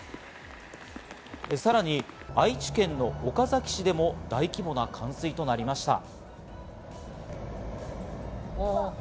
さらに愛知県の岡崎市でも大規模な冠水となりました。